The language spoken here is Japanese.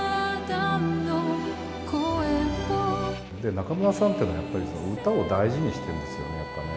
中村さんっていうのは、やっぱり歌を大事にしてるんですよね、やっぱね。